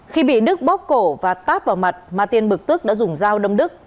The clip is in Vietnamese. khi bị đức bóp cổ và tát vào mặt ma tiên bực tức đã dùng dao đâm đức